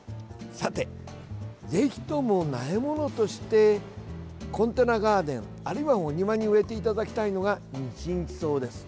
さて、ぜひとも苗ものとしてコンテナガーデンあるいはお庭に植えていただきたいのはニチニチソウです。